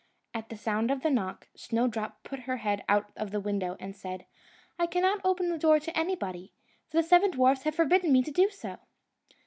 At the sound of the knock, Snowdrop put her head out of the window, and said, "I cannot open the door to anybody, for the seven dwarfs have forbidden me to do so."